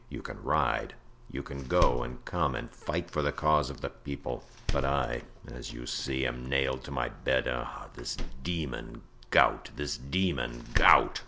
you can ride, you can go and come and fight for the cause of the people. But I, as you see, am nailed to my bed—ah! this demon, gout—this demon, gout!"